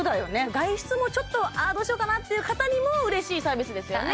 外出もちょっとああどうしようかなっていう方にも嬉しいサービスですよね